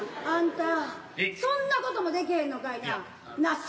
あんたそんなこともできへんのかいな。